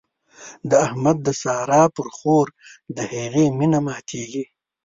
د احمد د سارا پر خور د هغې مينه ماتېږي.